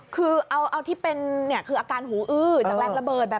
คือเอาที่เป็นอาการหูอื้อจากแรงระเบิดแบบนี้